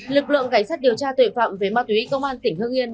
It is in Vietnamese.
lực lượng cảnh sát điều tra tội phạm về ma túy công an tỉnh hương yên